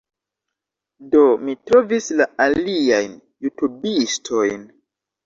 Do, mi trovis la aliajn jutubistojn